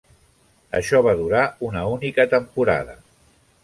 Això va durar una única temporada.